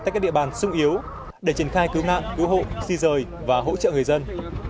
tại các địa bàn sung yếu để triển khai cứu nạn cứu hộ di rời và hỗ trợ người dân